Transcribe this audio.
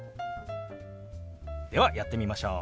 ではやってみましょう！